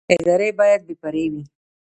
ادارې باید بې پرې وي